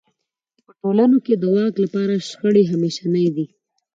په ټولنو کې د واک لپاره شخړې همېشنۍ دي.